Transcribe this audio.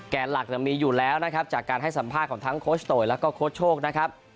หลักมีอยู่แล้วนะครับจากการให้สัมภาษณ์ของทั้งโคชโตยแล้วก็โค้ชโชคนะครับ